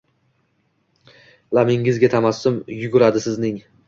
Labingizga tabassum yuguradi sizning